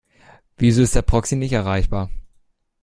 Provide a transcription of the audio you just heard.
Wieso ist der Proxy nicht erreichbar?